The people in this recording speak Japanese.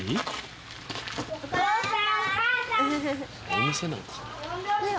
お店なのか。